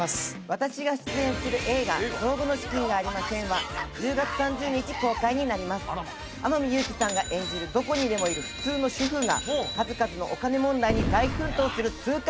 私が出演する映画「老後の資金がありません！」は１０月３０日公開になります天海祐希さんが演じるどこにでもいる普通の主婦が数々のお金問題に大奮闘する痛快！